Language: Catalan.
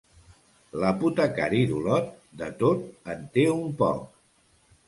L'apotecari d'Olot, de tot en té un poc.